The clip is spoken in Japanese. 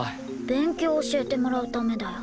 勉強教えてもらうためだよ。